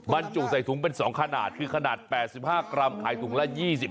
บรรจุใส่ถุงเป็น๒ขนาดคือขนาด๘๕กรัมขายถุงละ๒๐